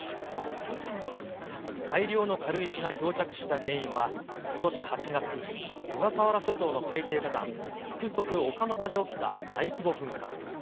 大量の軽石が漂着した原因は、ことし８月、小笠原諸島の海底火山、福徳岡ノ場で起きた大規模噴火。